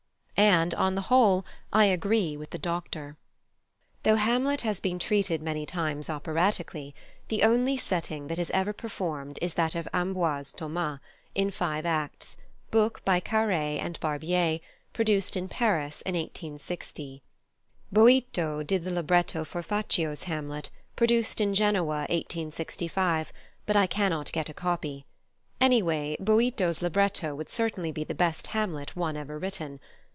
And on the whole I agree with the doctor. Though Hamlet has been treated many times operatically, the only setting that is ever performed is that of +Ambroise Thomas+, in five acts, book by Carré and Barbier, produced in Paris 1860. Boito did the libretto for Faccio's Hamlet, produced in Genoa 1865, but I cannot get a copy. Anyway, Boito's libretto would certainly be the best Hamlet one ever written.